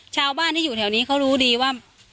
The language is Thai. ชาวบ้านที่อยู่แถวนี้เขารู้ดีว่า